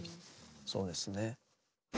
そうですね。